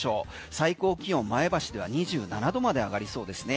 最高気温、前橋では２７度まで上がりそうですね。